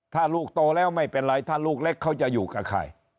ถ้าลูกโตแล้วไม่เป็นไรถ้าลูกเล็กเขาจะอยู่กับใคร